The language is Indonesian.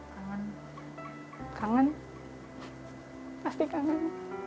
kangen kangen pasti kangen